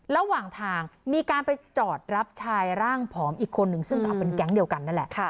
ระหว่างทางมีการไปจอดรับชายร่างผอมอีกคนนึงซึ่งเป็นแก๊งเดียวกันนั่นแหละ